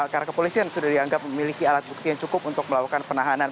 karena kepolisian sudah dianggap memiliki alat bukti yang cukup untuk melakukan penahanan